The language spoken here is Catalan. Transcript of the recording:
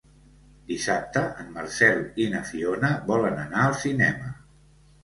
Dissabte en Marcel i na Fiona volen anar al cinema.